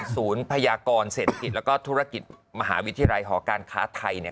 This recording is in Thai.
ศูนย์พยากรเศรษฐกิจและก็ธุรกิจมหาวิทยาลัยหอการค้าไทย